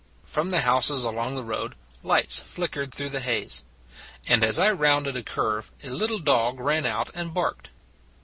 From the houses along the road lights flickered through the haze; and as I rounded a curve, a little dog ran out and barked.